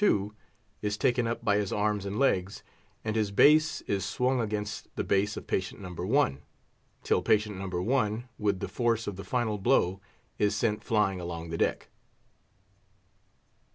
2 is taken up by his arms and legs, and his base is swung against the base of patient No. 1, till patient No. 1, with the force of the final blow, is sent flying along the deck.